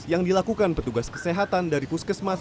yang dilakukan petugas kesehatan dari puskesmas